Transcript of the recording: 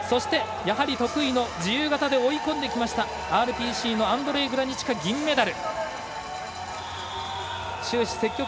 得意の自由形で追い込んできたＲＰＣのアンドレイ・グラニチカ銀メダル。